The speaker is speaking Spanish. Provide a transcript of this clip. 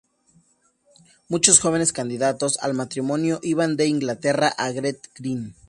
Muchos jóvenes candidatos al matrimonio iban de Inglaterra a Gretna Green.